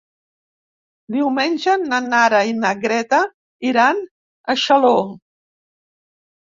Diumenge na Nara i na Greta iran a Xaló.